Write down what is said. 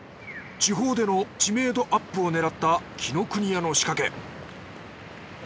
地方での知名度アップを狙った紀ノ国屋の仕掛け